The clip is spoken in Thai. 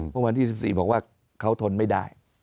เมื่อวันที่๑๔บอกว่าเขาทนไม่ได้